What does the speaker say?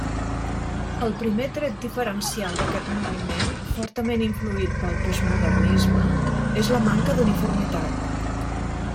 El primer tret diferencial d'aquest moviment, fortament influït pel postmodernisme és la manca d'uniformitat.